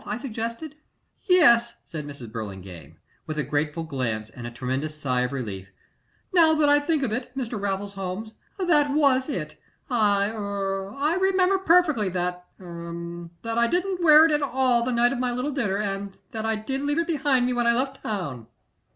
I suggested. "'Yes,' said Mrs. Burlingame,' with a grateful glance and a tremendous sigh of relief. 'Now that I think of it, Mr. Raffles Holmes that was it. I er I remember perfectly that er that I didn't wear it at all the night of my little dinner, and that I did leave it behind me when I left town.'"